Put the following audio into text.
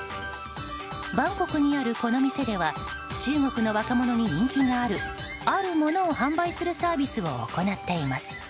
バンコクにある、この店では中国の若者に人気があるあるものを販売するサービスを行っています。